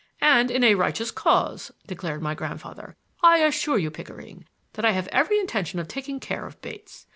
"And in a righteous cause," declared my grandfather. "I assure you, Pickering, that I have every intention of taking care of Bates.